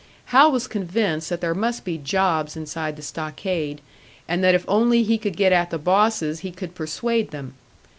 Hal was convinced that there must be jobs inside the stockade, and that if only he could get at the bosses he could persuade them.